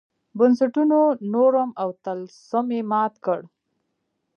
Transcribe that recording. بنسټونو نورم او طلسم یې مات کړ.